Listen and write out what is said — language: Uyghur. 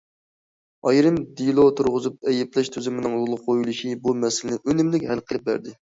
ئايرىپ دېلو تۇرغۇزۇپ ئەيىبلەش تۈزۈمىنىڭ يولغا قويۇلۇشى بۇ مەسىلىنى ئۈنۈملۈك ھەل قىلىپ بەردى.